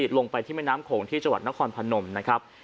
ลงไปที่แม่น้ำโขงที่จังหวัดนครพนมนะครับ